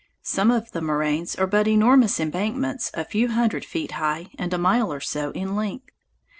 Some of the moraines are but enormous embankments a few hundred feet high and a mile or so in length.